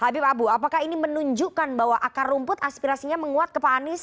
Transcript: habib abu apakah ini menunjukkan bahwa akar rumput aspirasinya menguat ke pak anies